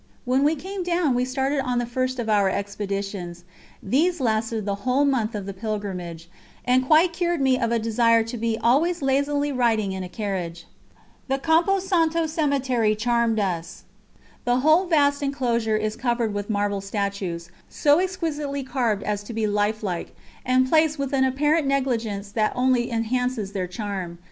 When we came down we started on the first of our expeditions; these lasted the whole month of the pilgrimage, and quite cured me of a desire to be always lazily riding in a carriage. The "Campo Santo" charmed us. The whole vast enclosure is covered with marble statues, so exquisitely carved as to be life like, and placed with an apparent negligence that only enhances their charm.